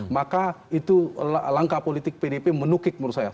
maka itu langkah politik pdip menukik menurut saya